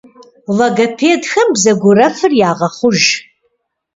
Логопедхэм бзэгурэфыр ягъэхъуж.